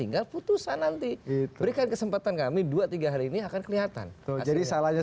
kita harus khusus bagikan dan tatapi p obtur besch at mulis dapet jadi lihat saja masalahnya